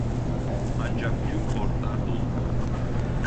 Ancak tüm portlar dolu